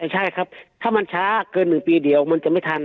ใช่ครับถ้ามันช้าเกิน๑ปีเดียวมันจะไม่ทัน